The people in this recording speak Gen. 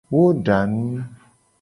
Wo da nu.